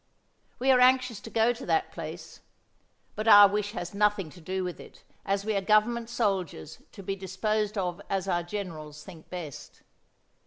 We are anxious to go to that place, but our wish has nothing to do with it, as we are Government soldiers to be disposed of as our generals think best.